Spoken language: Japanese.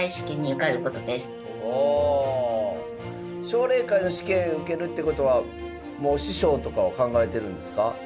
奨励会の試験受けるってことはもう師匠とかは考えてるんですか。